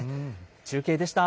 中継でした。